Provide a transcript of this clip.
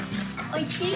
おいしい！